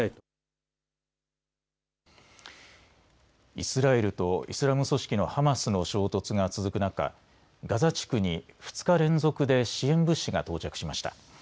イスラエルとイスラム組織のハマスの衝突が続く中、ガザ地区に２日連続で支援物資が到着しました。